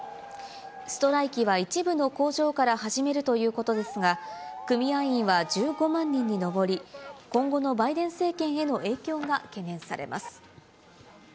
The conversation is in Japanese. ストライキは一部の工場から始めるということですが、組合員は１５万人に上り、今後のバイデン政権への影響が懸念されます。